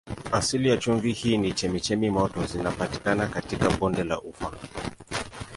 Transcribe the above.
Asili ya chumvi hii ni chemchemi moto zinazopatikana katika bonde la Ufa.